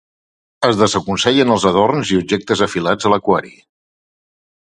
Es desaconsellen els adorns i objectes afilats a l'aquari.